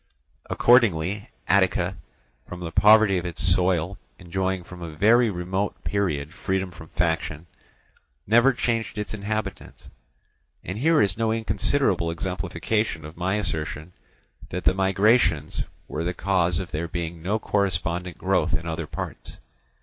Accordingly Attica, from the poverty of its soil enjoying from a very remote period freedom from faction, never changed its inhabitants. And here is no inconsiderable exemplification of my assertion that the migrations were the cause of there being no correspondent growth in other parts.